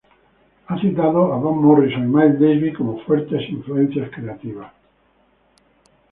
Ha citado a Van Morrison y Miles Davis como fuertes influencias creativas.